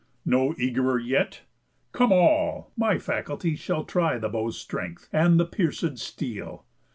No eag'rer yet? Come all. My faculties Shall try the bow's strength, and the piercéd steel.